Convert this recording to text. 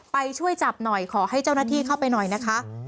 ไปช่วยจับหน่อยขอให้เจ้าหน้าที่เข้าไปหน่อยนะคะ